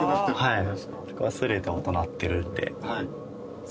はい。